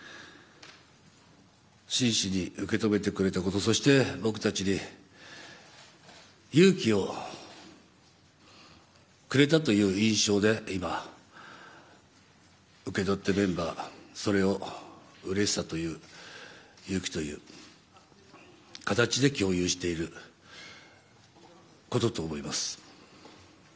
真摯に受け止めてくれたことそして、僕たちに勇気をくれたという印象で今、メンバーは受け取ってそれをうれしさという勇気といいう形で共有していることと思います。